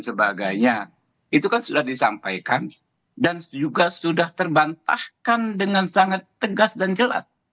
sebagainya itu kan sudah disampaikan dan juga sudah terbantahkan dengan sangat tegas dan jelas